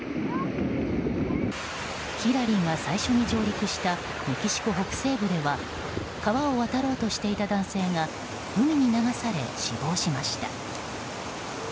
ヒラリーが最初に上陸したメキシコ北西部では川を渡ろうとしていた男性が海に流され死亡しました。